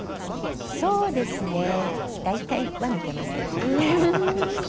そうですね大体は抜けません。